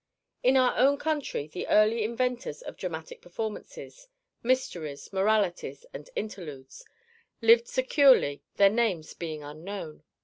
In our own country the early inventors of dramatic performances Mysteries, Moralities, and Interludes lived securely, their names being unknown.